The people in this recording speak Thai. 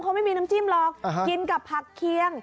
เขาไม่มีน้ำจิ้มหรอกกินกับผักเคียง